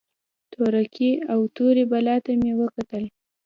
تورکي او تورې بلا ته مې وکتل.